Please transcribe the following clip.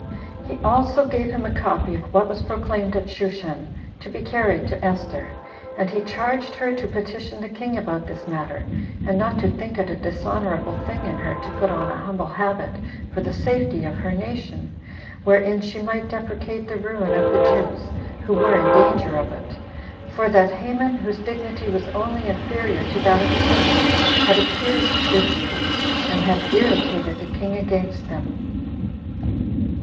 He also gave him a copy of what was proclaimed at Shushan, to be carried to Esther; and he charged her to petition the king about this matter, and not to think it a dishonorable thing in her to put on a humble habit, for the safety of her nation, wherein she might deprecate the ruin of the Jews, who were in danger of it; for that Haman, whose dignity was only inferior to that of the king, had accused the Jews, and had irritated the king against them.